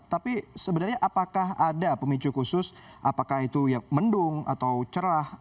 tapi sebenarnya apakah ada pemicu khusus apakah itu mendung atau cerah